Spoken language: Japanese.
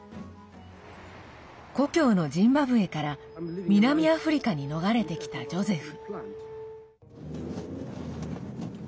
故郷のジンバブエから南アフリカに逃れてきたジョゼフ。